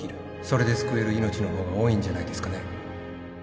それで救える命の方が多いんじゃないですかね？